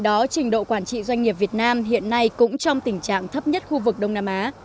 do trình độ quản trị doanh nghiệp việt nam hiện nay cũng trong tình trạng thấp nhất khu vực đông nam á